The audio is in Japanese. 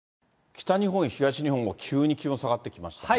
北日本、東日本も急に気温下がってきましたね。